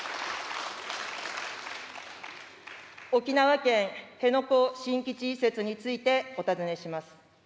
沖縄県辺野古新基地移設について、お尋ねします。